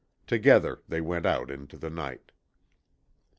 Together they went out into the night.